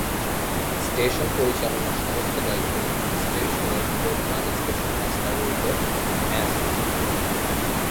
Station পরিচালনার সমস্ত দায়িত্ব স্টেশনের প্রধান "স্টেশন মাষ্টার"- এর উপর ন্যস্ত।